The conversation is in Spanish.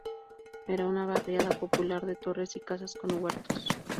Era una barriada popular de torres y casas con huertos.